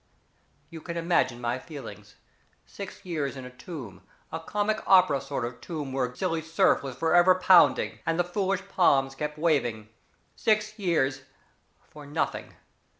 "You can imagine my feelings. Six years in a tomb, a comic opera sort of tomb, where a silly surf was forever pounding, and foolish palms kept waving. Six years for nothing.